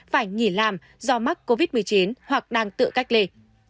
phải nghỉ làm do mắc covid một mươi chín hoặc đang tự cách ly